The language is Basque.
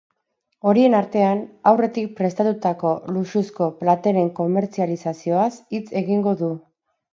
Horien artean, aurretik prestatutako luxuzko plateren komertzializazioaz hitz egingo du.